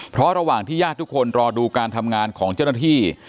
เพราะระหว่างที่ญาติทุกคนรอดูการทำงานของเจ้าหน้าที่